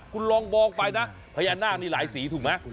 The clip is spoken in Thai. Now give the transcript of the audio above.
คุณลองมองไปนะพญานาคนี่หลายสีถูกไหม